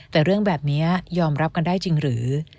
แต่เรื่องแบบนี้ยอมรับกันได้จริงหรือ